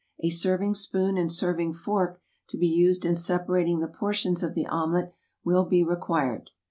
A serving spoon and serving fork to be used in separating the portions of the omelet will be re quired.